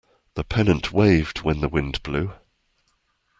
The pennant waved when the wind blew.